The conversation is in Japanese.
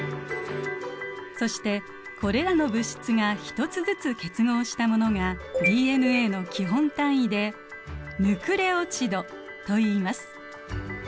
そしてこれらの物質が１つずつ結合したものがＤＮＡの基本単位でヌクレオチドといいます。